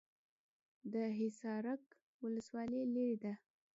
د حصارک ولسوالۍ لیرې ده